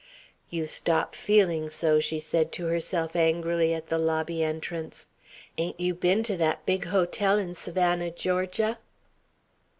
"You stop feeling so!" she said to herself angrily at the lobby entrance. "Ain't you been to that big hotel in Savannah, Georgia?"